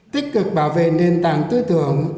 tích cực bảo vệ nền tảng tư tưởng